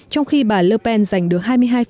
trong khi bà le pen giành được hai mươi hai năm